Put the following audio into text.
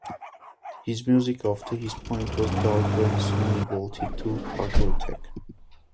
His music after this point was darker, and soon evolved to aggrotech.